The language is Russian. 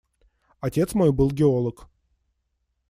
Отец мой был геолог.